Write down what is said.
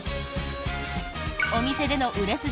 お店での売れ筋